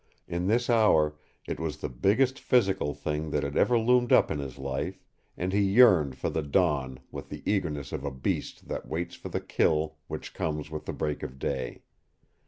In this hour it was the biggest physical thing that had ever loomed up in his life, and he yearned for the dawn with the eagerness of a beast that waits for the kill which comes with the break of day.